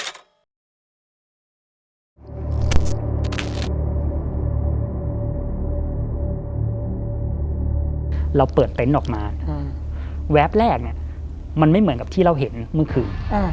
เราเปิดเต็นต์ออกมาแวบแรกเนี่ยมันไม่เหมือนกับที่เราเห็นเมื่อคืน